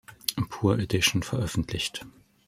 Pur Edition" veröffentlicht.